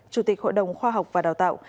chủ tịch hội đồng khoa học và đào tạo